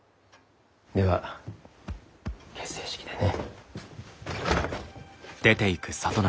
では結成式でね。